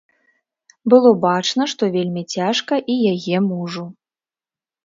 Было бачна, што вельмі цяжка і яе мужу.